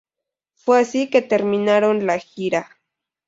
Fue así que terminaron la gira.